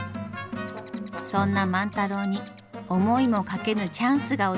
そんな万太郎に思いもかけぬチャンスが訪れます。